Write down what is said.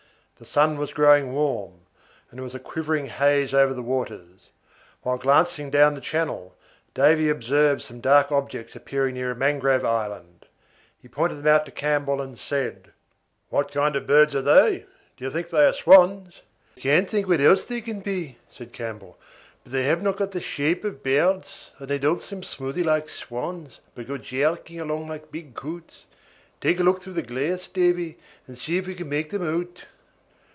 The sun was growing warm, and there was a quivering haze over the waters. While glancing down the channel, Davy observed some dark objects appearing near a mangrove island. He pointed them out to Campbell, and said: "What kind of birds are they? Do you think they are swans?" "I can't think what else they can be," said Campbell; "but they have not got the shape of birds, and they don't swim smoothly like swans, but go jerking along like big coots. Take a look through the glass, Davy, and see if you can make them out."